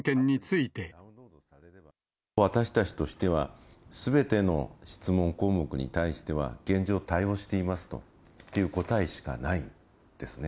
私たちとしては、すべての質問項目に対しては現状、対応していますという答えしかないですね。